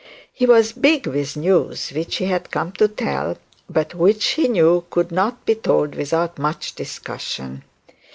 he was big with news which he had come to tell, but which he knew could not be told without much discussion.